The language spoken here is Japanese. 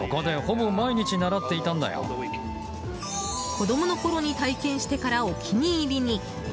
子供のころに体験してからお気に入りに。